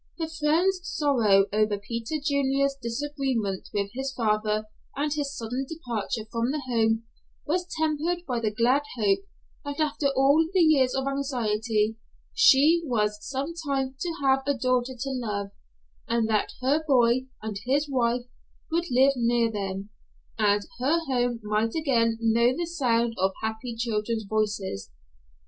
Her friend's sorrow over Peter Junior's disagreement with his father and his sudden departure from the home was tempered by the glad hope that after all the years of anxiety, she was some time to have a daughter to love, and that her boy and his wife would live near them, and her home might again know the sound of happy children's voices.